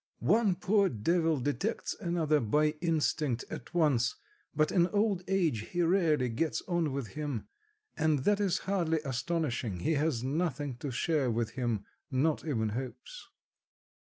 One poor devil detects another by instinct at once, but in old age he rarely gets on with him, and that is hardly astonishing, he has nothing to share with him, not even hopes.